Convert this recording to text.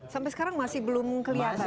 sampai sekarang masih belum kelihatan